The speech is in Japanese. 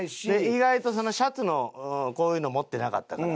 意外とシャツのこういうの持ってなかったから。